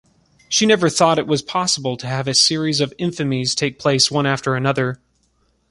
She never thought it was possible to have a series of infamies take place one after another.